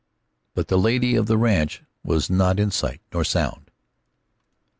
But the lady of the ranch was not in sight nor sound.